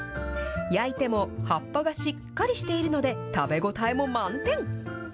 焼いても、葉っぱがしっかりしているので、食べ応えも満点。